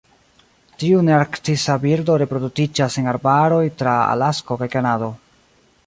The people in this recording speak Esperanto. Tiu nearktisa birdo reproduktiĝas en arbaroj tra Alasko kaj Kanado.